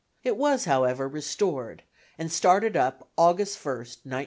It was, however, restored, and started up August 1, 1906.